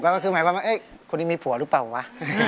กระตุกก็คือหมายความว่าเอ๊ะคนนี้มีผัวหรือเปล่าวะ